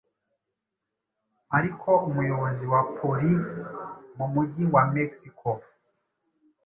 Ariko umuyobozi wa polii mu mujyi wa Mexico,